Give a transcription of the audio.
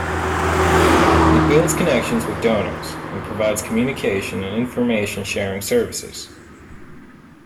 It builds connections with donors and provides communication and information-sharing services.